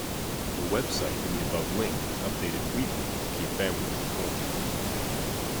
The website in the above link is updated weekly to keep families informed.